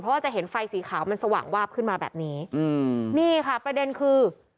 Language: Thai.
เพราะว่าจะเห็นไฟสีขาวมันสว่างวาบขึ้นมาแบบนี้อืมนี่ค่ะประเด็นคือ